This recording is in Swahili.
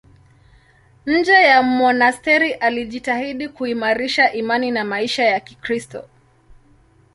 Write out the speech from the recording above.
Nje ya monasteri alijitahidi kuimarisha imani na maisha ya Kikristo.